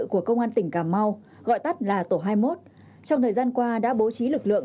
của công an tỉnh cà mau gọi tắt là tổ hai mươi một trong thời gian qua đã bố trí lực lượng